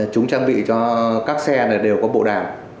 chúng trang bị cho các xe đều có bộ đàm